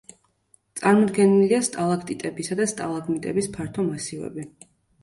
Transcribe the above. წარმოდგენილია სტალაქტიტებისა და სტალაგმიტების ფართო მასივები.